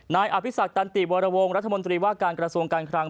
นายอภิษักตันติวรวงรัฐมนตรีว่าการกระทรวงการคลัง